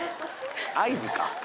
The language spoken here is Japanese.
合図か。